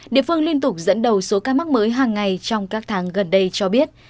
địa phương liên tục dẫn đầu số ca mắc mới hàng ngày trong các tháng gần đây cho biết